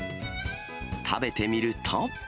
食べてみると。